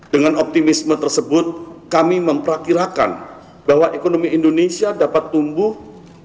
dengan optimisme tersebut kami memperkirakan bahwa ekonomi indonesia dapat tumbuh